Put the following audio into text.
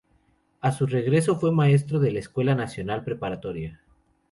A su regreso, fue maestro de la Escuela Nacional Preparatoria.